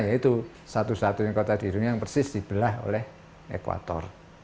ya itu satu satunya kota di dunia yang persis dibelah oleh ekuator